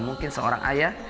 mungkin seorang ayah